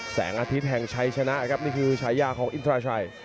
แสงอาทิตย์แห่งชัยชนะครับนี่คือฉายาของอินทราชัย